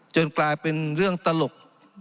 กลายเป็นเรื่องตลก